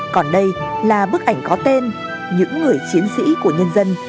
còn đây là bức ảnh có tên những người chiến sĩ của nhân dân